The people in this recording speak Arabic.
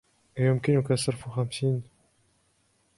أيمكنك صرف خمسين؟